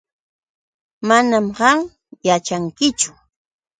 Manam qam yaćhankichu.